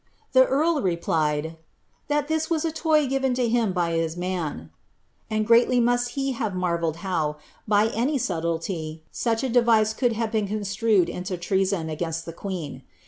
The earl replied, " that (his was a I'T given to him by his man,'" and greatly must he have marvelled hou.^T any subtlety, such a device could have been construed into Ireasi'i BLI2ABSTH. 103 gainst the queen.